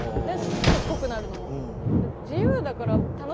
濃くなるのも。